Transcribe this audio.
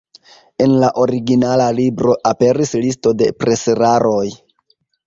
En la originala libro aperis listo de preseraroj.